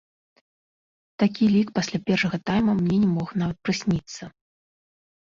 Такі лік пасля першага тайма мне не мог нават прысніцца.